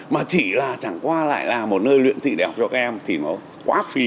mà chỉ là chẳng qua lại là một nơi luyện thị đẹp cho các em thì nó quá phí